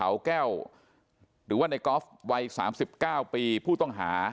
ขาวแก้วหรือว่านายกอล์ฟวัยสามสิบเก้าปีผู้ต้องหา